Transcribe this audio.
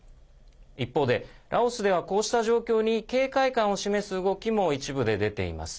一方で、ラオスではこうした状況に警戒感を示す動きも一部で出ています。